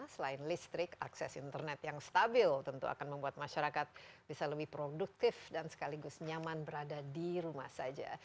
selain listrik akses internet yang stabil tentu akan membuat masyarakat bisa lebih produktif dan sekaligus nyaman berada di rumah saja